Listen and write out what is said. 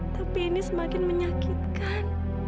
tapi ini semakin menyakitkan